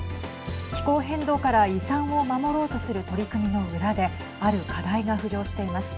気候変動から遺産を守ろうとする取り組みの裏である課題が浮上しています。